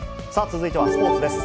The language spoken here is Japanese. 続いてはスポーツです。